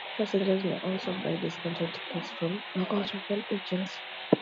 Passengers may also buy discounted tickets from local travel agents.